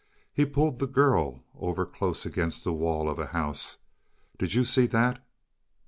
He had pulled the girl over close against the wall of a house. "Did you see that?"